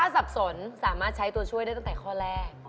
สับสนสามารถใช้ตัวช่วยได้ตั้งแต่ข้อแรก